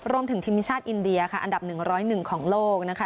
รวมถึงทีมชาติอินเดียอันดับ๑๐๑ของโลก